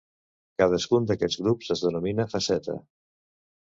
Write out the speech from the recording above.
Cadascun d'aquests grups es denomina faceta.